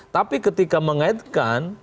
tapi ketika mengaitkan